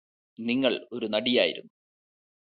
നിങ്ങള് ഒരു നടിയായിരുന്നു